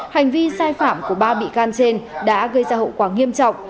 hành vi sai phạm của ba bị can trên đã gây ra hậu quả nghiêm trọng